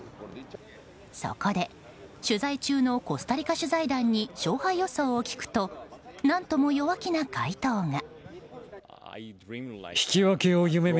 そこで、取材中のコスタリカ取材団に勝敗予想を聞くと何とも弱気な回答が。